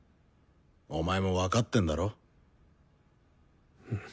お前も分かってんだろ？